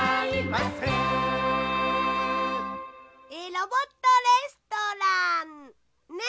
「ロボットレストラン」ね。